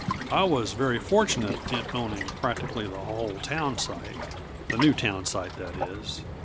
I was very fortunate in owning practically the whole townsite the new townsite, that is.